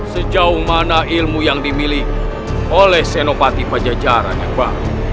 sejauh mana ilmu yang dimiliki oleh senopati pajajar anakba